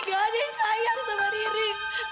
gak ada yang sayang sama riri